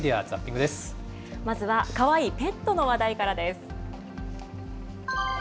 まずはかわいいペットの話題からです。